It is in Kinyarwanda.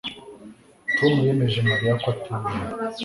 Tom yemeje Mariya kwatura